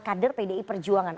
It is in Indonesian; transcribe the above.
kader pdi perjuangan